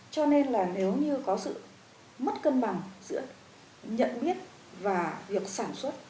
cho nên là nếu như có sự mất cân bằng giữa nhận biết và việc sản xuất